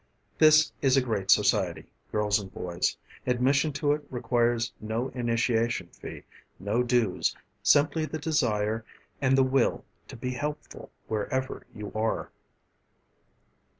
This is a great society, girls and boys. Admission to it requires no initiation fee, no dues, simply the desire and the will to be helpful wherever you are.